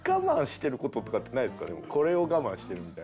「これを我慢してる」みたいな。